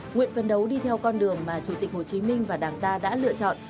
nguyện phấn đấu đi theo con đường mà chủ tịch hồ chí minh và đảng ta đã lựa chọn